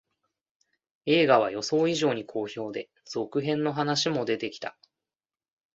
映画は予想以上に好評で、続編の話も出てきた